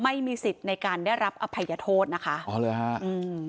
ไม่มีสิทธิ์ในการได้รับอภัยโทษนะคะอ๋อเหรอฮะอืม